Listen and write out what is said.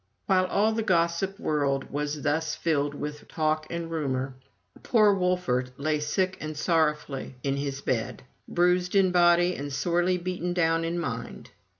While all the gossip world was thus filled with talk and rumor, poor Wolfert lay sick and sorrowfully in his bed, bruised in body and sorely beaten down in mind.